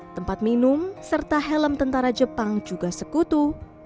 tempat minum serta helm tentara jepang juga sekutu